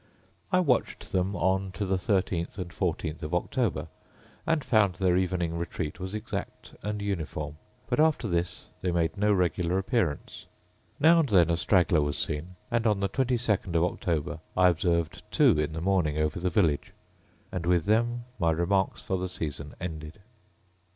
I watched them on to the thirteenth and fourteenth of October, and found their evening retreat was exact and uniform; but after this they made no regular appearance. Now and then a straggler was seen; and on the twenty second of October, I observed two in the morning over the village, and with them my remarks for the season ended.